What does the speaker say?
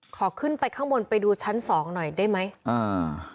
ขอขึ้นไปข้างบนไปดูชั้นสองหน่อยได้ไหมอ่า